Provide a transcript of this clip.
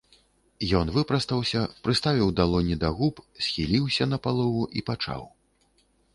Ён выпрастаўся, прыставіў далоні да губ, схіліўся напалову і пачаў.